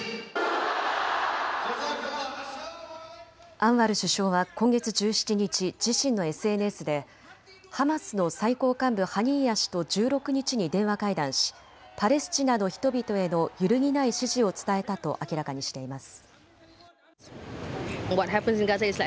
アンワル首相は今月１７日、自身のＳＮＳでハマスの最高幹部、ハニーヤ氏と１６日に電話会談しパレスチナの人々への揺るぎない支持を伝えたと明らかにしています。